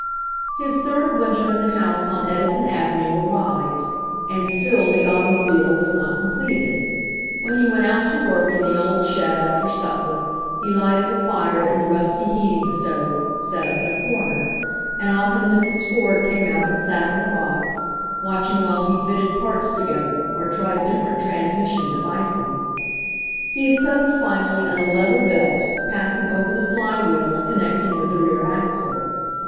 His third winter in the house on Edison ave nue arrived, and still the automobile was not completed. When he went out to work in the old shed after supper he lighted a fire in the rusty heating stove, set up in a corner, and often Mrs. Ford came out and sat on a box, watching while he fitted parts together or tried different trans mission devices. He had settled finally on a leather belt, pass ing over the flywheel and connecting with the rear axle.